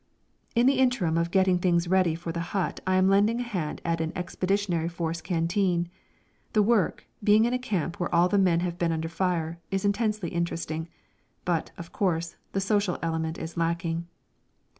In the interim of getting things ready for the hut I am lending a hand at an Expeditionary Force canteen. The work, being in a camp where all the men have been under fire, is intensely interesting. But, of course, the social element is lacking.